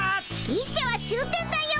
牛車は終点だよ！